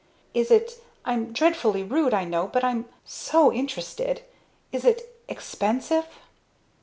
"Is it I'm dreadfully rude I know, but I'm so interested! Is it expensive?"